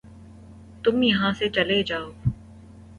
تم یہاں سے چلے جاؤ